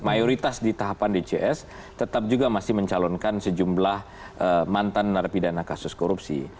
mayoritas di tahapan dcs tetap juga masih mencalonkan sejumlah mantan narapidana kasus korupsi